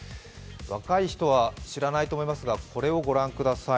若い人は知らないと思いますが、これをご覧ください。